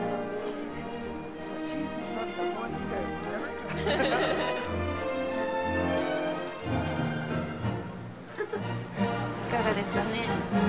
◆いかがですかね。